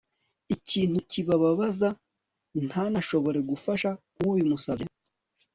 ikintu kibababaza, ntanashobore gufasha ubimusabye